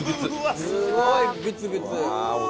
すごいグツグツ！